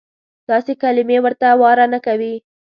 داسې کلیمې ورته واره نه کوي.